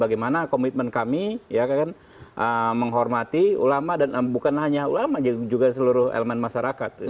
bagaimana komitmen kami menghormati ulama dan bukan hanya ulama juga seluruh elemen masyarakat